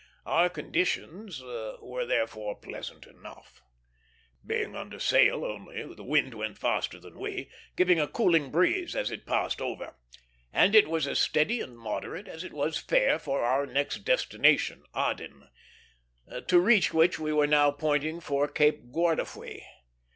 Our conditions were therefore pleasant enough. Being under sail only, the wind went faster than we, giving a cooling breeze as it passed over; and it was as steady and moderate as it was fair for our next destination, Aden, to reach which we were now pointing for Cape Guardafui.